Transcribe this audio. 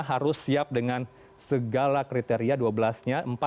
harus siap dengan segala kriteria dua belas nya